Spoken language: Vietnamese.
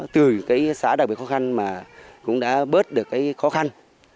từ cái xã đặc biệt khó khăn mà cũng đã bớt được cái khó khăn